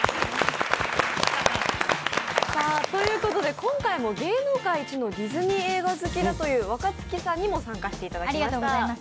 今回も芸能界位置のディズニー映画好きだという若槻さんにも参加していただきました。